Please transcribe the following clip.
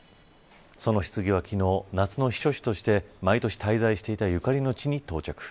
そのひつぎは夏の避暑地として毎年滞在していたゆかりの地に到着。